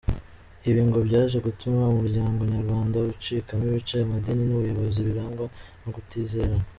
Ibi ngo byaje gutuma umuryango nyarwanda ucikamo ibice, amadini n’ubuyobozi birangwa no kutizerana.